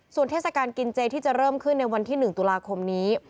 ส่วนเทศกาลกินเจที่จะเริ่มขึ้นในวันที่๑ตุลาคมนี้